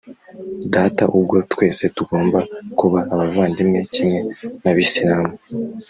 data; ubwo twese tugomba kuba abavandimwe. kimwe n’abisilamu